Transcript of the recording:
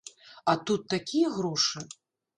А тут такія грошы!